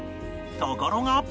ところが